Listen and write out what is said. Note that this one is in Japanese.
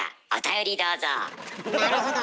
なるほど。